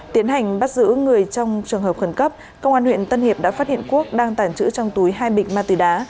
tiến hành bắt giữ người trong trường hợp khẩn cấp công an huyện tân hiệp đã phát hiện quốc đang tàng trữ trong túi hai bịch ma túy đá